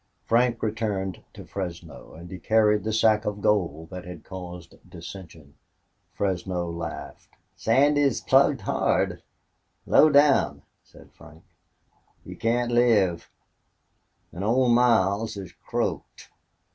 Frank returned to Fresno, and he carried the sack of gold that had caused dissension. Fresno laughed. "Sandy's plugged hard low down," said Frank. "He can't live. An' Old Miles is croaked."